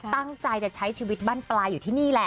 ตั้งใจจะใช้ชีวิตบ้านปลายอยู่ที่นี่แหละ